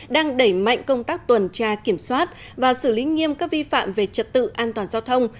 đang đẩy mạnh công tác tuần tra kiểm soát và xử lý nghiêm các vi phạm về trật tự an toàn giao thông